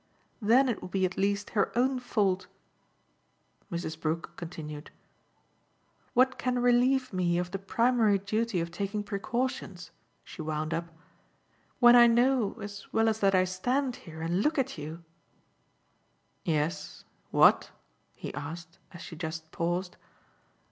Then it will be at least her own fault !" Mrs. Brook continued. "What can relieve me of the primary duty of taking precautions," she wound up, "when I know as well as that I stand here and look at you " "Yes, what?" he asked as she just paused.